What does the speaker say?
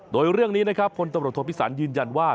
โดยเรื่องนี้นะครับพลตำรวจโทษพิสันยืนยันว่า